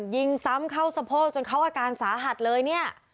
ยิงซ้ำเข้าสะโพกจนเขาอาการสาหัสเลยเนี่ย